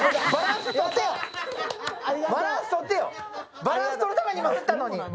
バランスとるために今、振ったのに。